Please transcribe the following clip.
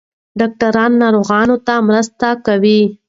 ډاکټران ناروغانو ته مرسته کوي.